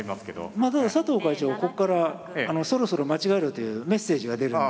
まあただ佐藤会長がこっからそろそろ間違えろというメッセージが出るので。